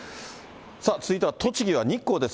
さあ、続いては栃木は日光です。